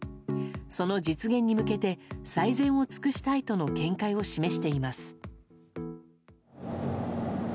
その実現に向けて最善を尽くしたいとの見解を示しています。